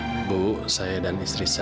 ibu saya dan istri saya